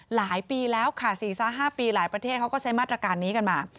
หลายปีแล้วค่ะ๔๕ปีหลายประเทศเขาก็ใช้มาตรการนี้กันมา